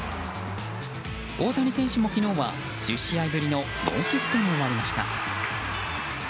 大谷選手も昨日は１０試合ぶりのノーヒットに終わりました。